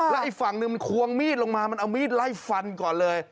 แล้วอีกฝั่งหนึ่งมันควงมีดลงมามันเอามีดไล่ฟันก่อนเลย